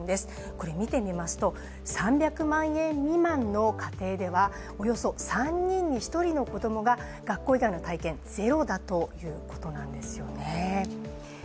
これ見てみますと、３００万円未満の家庭ではおよそ３人に１人の子供が学校以外での体験、ゼロだということなんですよね。